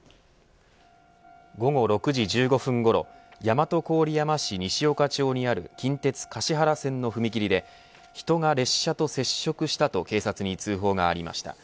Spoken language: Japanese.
午後６時１５分ごろ大和郡山市西岡町にある近鉄橿原線の踏み切りで人が列車と接触したと警察に通報がありました。